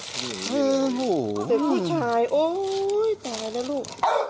จิชชู่